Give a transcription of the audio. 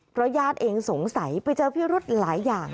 เพราะญาติเองสงสัยไปเจอพิรุธหลายอย่าง